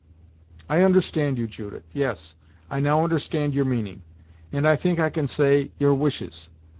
"I understand you, Judith yes, I now understand your meaning, and I think I can say, your wishes.